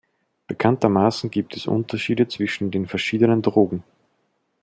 Bekanntermaßen gibt es Unterschiede zwischen den verschiedenen Drogen.